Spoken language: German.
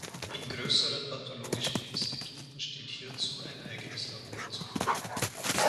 In größeren pathologischen Instituten steht hierzu ein eigenes Labor zur Verfügung.